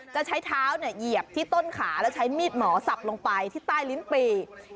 จะใช้เท้าเหยียบที่ต้นขาแล้วใช้มีดหมอสับลงไปที่ใต้ลิ้นปี